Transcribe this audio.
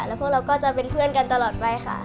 แล้วพวกเราก็จะเป็นเพื่อนกันตลอดไปค่ะ